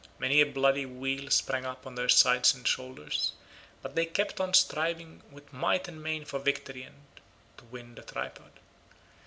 Many a bloody weal sprang up on their sides and shoulders, but they kept on striving with might and main for victory and to win the tripod.